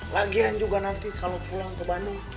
lagian juga nanti kalau pulang ke bandung